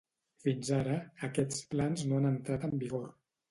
Fins ara, aquests plans no han entrat en vigor.